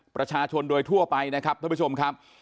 ประชาชนโดยทั่วไปนะครับท่านผู้ชมครับ